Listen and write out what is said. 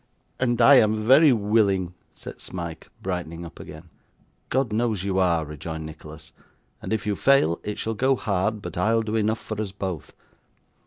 'And I am very willing,' said Smike, brightening up again. 'God knows you are,' rejoined Nicholas; 'and if you fail, it shall go hard but I'll do enough for us both.